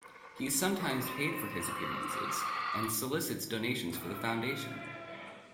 He is sometimes paid for his appearances and solicits donations for the foundation.